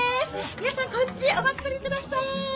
皆さんこっちへお集まりくださーい！